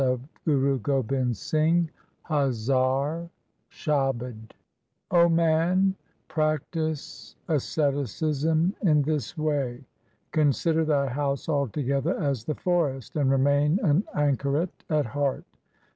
Y 2 324 THE SIKH RELIGION Hazare Shabd O man, practise asceticism in this way :— Consider thy house altogether as the forest, and remain an anchoret at heart.